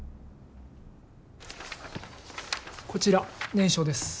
こちら念書です。